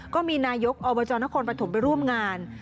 ก็มีนายกอบจนครปฐมไปร่วมงาน